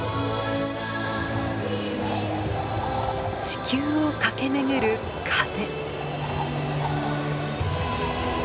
地球を駆け巡る風。